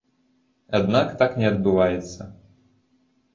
Аднак так не адбываецца.